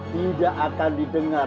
tidak akan didengar